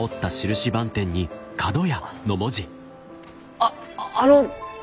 あっあの！